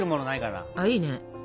あいいね。